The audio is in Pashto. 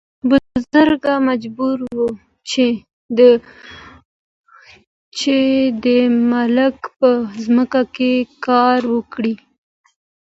بزګر مجبور و چې د مالک په ځمکه کار وکړي.